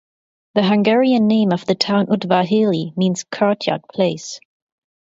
The Hungarian name of the town "Udvarhely" means "courtyard place.